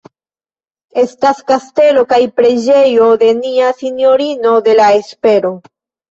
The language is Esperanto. Estas kastelo kaj preĝejo de Nia Sinjorino de la Espero.